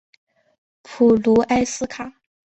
普卢埃斯卡。